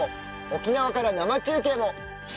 沖縄から生中継も。